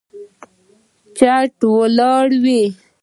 چت لوړ دی.